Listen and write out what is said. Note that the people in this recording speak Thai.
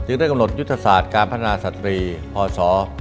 จึงเรียกกำหนดยุทธศาสตร์การพัฒนาสตรีพศ๒๖๖๐๒๖๖๔